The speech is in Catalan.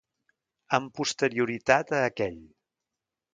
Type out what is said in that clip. Amb posterioritat a aquell!